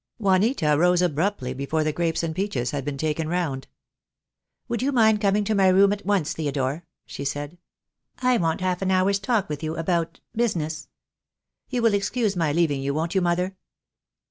Juanita rose abruptly before the grapes and peaches had been taken round. "Would you mind coming to my room at once, Theo dore?" she said. "I want half an hour's talk with you about— business. You will excuse my leaving you, won't you, mother?"